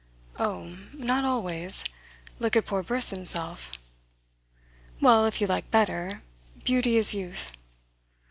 "Oh, not always. Look at poor Briss himself." "Well, if you like better, beauty is youth."